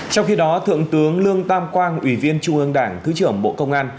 trong khi đó thượng tướng lương tam quang ủy viên trung ương đảng thứ trưởng bộ công an